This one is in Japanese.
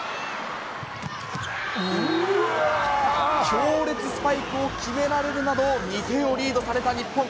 強烈スパイクを決められるなど、２点をリードされた日本。